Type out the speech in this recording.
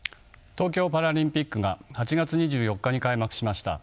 東京パラリンピックが８月２４日に開幕しました。